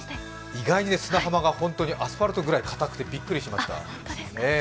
意外に砂浜がアスファルトぐらいかたくてびっくりしました。